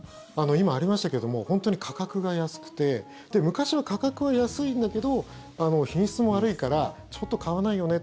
今、ありましたけども本当に価格が安くて昔は価格は安いんだけど品質も悪いからちょっと買わないよね